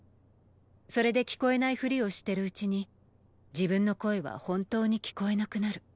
それで聞こえないふりをしてるうちに自分の声は本当に聞こえなくなる。